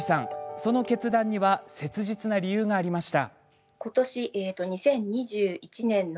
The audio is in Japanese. その決断には切実な理由がありました。